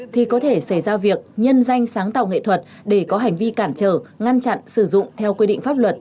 thì có thể xảy ra việc nhân danh sáng tạo nghệ thuật để có hành vi cản trở ngăn chặn sử dụng theo quy định pháp luật